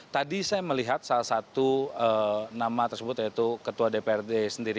tadi saya melihat salah satu nama tersebut yaitu ketua dprd sendiri